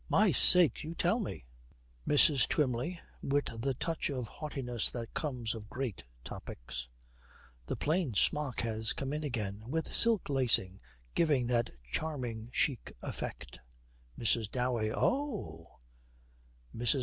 'My sakes! You tell me?' MRS. TWYMLEY, with the touch of haughtiness that comes of great topics, 'The plain smock has come in again, with silk lacing, giving that charming chic effect.' MRS. DOWEY. 'Oho!' MRS.